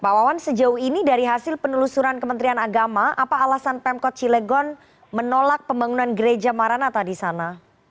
pak wawan sejauh ini dari hasil penelusuran kementerian agama apa alasan pemkot cilegon menolak pembangunan gereja maranata di sana